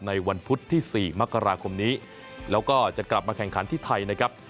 วันพุธที่๔มกราคมนี้แล้วก็จะกลับมาแข่งขันที่ไทยนะครับ